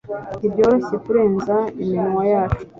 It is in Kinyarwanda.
Ntibyoroshye kurenza iminwa yacu